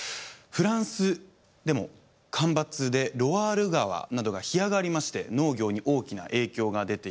フランスでも干ばつでロワール川などが干上がりまして農業に大きな影響が出ています。